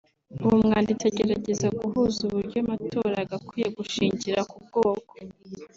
uwo mwanditsi agerageza guhuza uburyo amatora yagakwiye gushingira ku bwoko